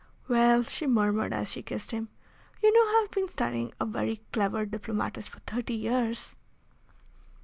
"Well," she murmured, as she kissed him, "you know I have been studying a very clever diplomatist for thirty years."